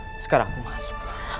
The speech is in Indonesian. lebih baik sekarang aku masuk